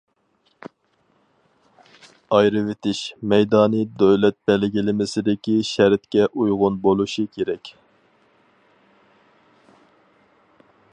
ئايرىۋېتىش مەيدانى دۆلەت بەلگىلىمىسىدىكى شەرتكە ئۇيغۇن بولۇشى كېرەك.